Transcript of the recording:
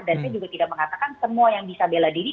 saya juga tidak mengatakan semua yang bisa bela diri